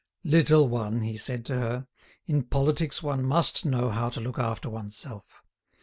"Little one," he said to her, "in politics one must know how to look after one's self.